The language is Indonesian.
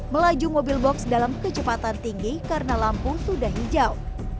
melaju mobil box dalam kecepatan tinggi karena lampu sudah hijau